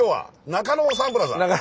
中野サンプラザ。